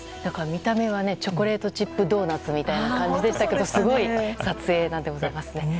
見た目はチョコレートチップドーナツみたいな感じでしたがすごい撮影なんでございますね。